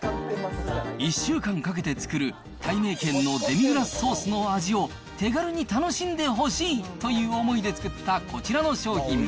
１週間かけて作る、たいめいけんのデミグラスソースの味を手軽に楽しんでほしいという思いで作ったこちらの商品。